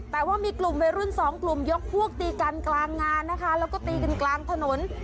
แต่ว่ามีกลุ่มวัยรุ่นสองกลุ่มยกพวกตีกันกลางงานนะคะแล้วก็ตีกันกลางถนน